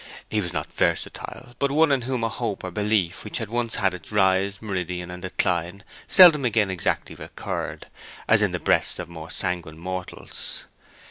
He was not versatile, but one in whom a hope or belief which had once had its rise, meridian, and decline seldom again exactly recurred, as in the breasts of more sanguine mortals.